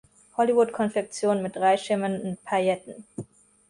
Hollywood-Konfektion mit drei schimmernden Pailletten.